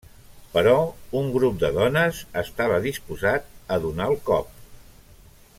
Però un grup de dones estava disposat a donar el cop.